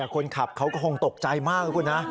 คนขับเขาก็คงตกใจมากนะคุณนะ